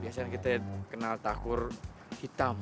biasanya kita kenal tahun hitam